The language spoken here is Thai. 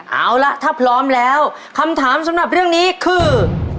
เอาล่ะถ้าพร้อมแล้วคำถามสำหรับเรื่องนี้คือ